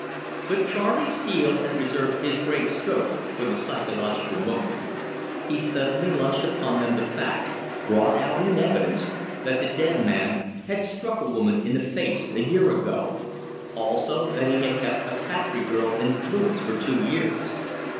But Charley Steele had preserved his great stroke for the psychological moment. He suddenly launched upon them the fact, brought out in evidence, that the dead man had struck a woman in the face a year ago; also that he had kept a factory girl in affluence for two years.